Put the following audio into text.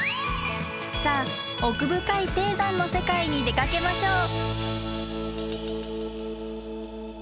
さあ奥深い低山の世界に出かけましょう！